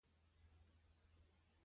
گرگه! بله چاره نه لري بې مرگه.